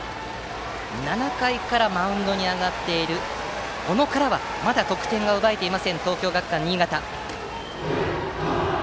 ７回からマウンドに上がった小野からは、まだ得点を奪えていない東京学館新潟。